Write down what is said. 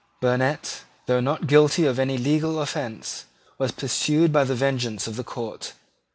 Burnet, though not guilty of any legal offence, was pursued by the vengeance of the court.